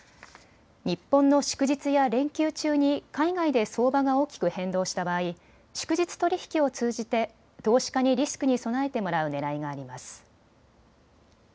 日本の祝日や連休中に海外で相場が大きく変動した場合、祝日取引を通じて投資家にリスクに備えてもらうねらいがあります。